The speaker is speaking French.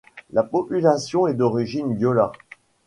La population est d'origine diola.